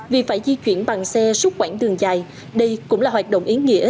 vì phải di chuyển bằng xe suốt quảng đường dài đây cũng là hoạt động ý nghĩa